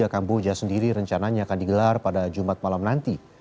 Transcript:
dua puluh tiga kamboja sendiri rencananya akan digelar pada jumat malam nanti